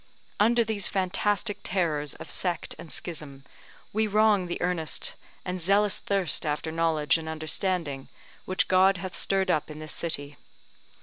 Under these fantastic terrors of sect and schism, we wrong the earnest and zealous thirst after knowledge and understanding which God hath stirred up in this city.